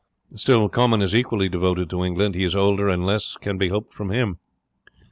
Still Comyn is equally devoted to England; he is older, and less can be hoped from him.